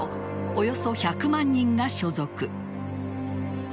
およそ１００万人が所属。